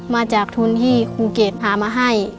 มาจากทุนที่ครูเกรดพามาให้